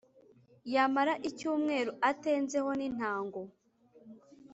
yamara icyumweru atenze ho n’intango